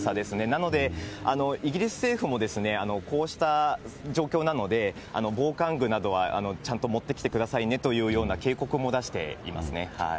なので、イギリス政府もこうした状況なので、防寒具などはちゃんと持ってきてくださいねというような警告も出していますね。